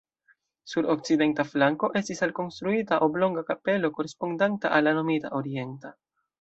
Sur okcidenta flanko estis alkonstruita oblonga kapelo korespondanta al la nomita orienta.